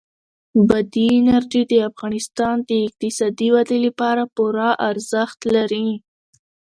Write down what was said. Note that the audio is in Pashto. بادي انرژي د افغانستان د اقتصادي ودې لپاره پوره ارزښت لري.